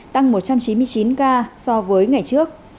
tăng một trăm chín mươi chín ca so với ngày trước